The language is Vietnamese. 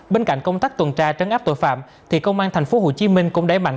bên cạnh công tác tuần tra trấn áp tội phạm thì công an tp hcm cũng đẩy mạnh